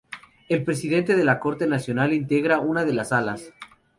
El Presidente de la Corte Nacional integra una de las salas.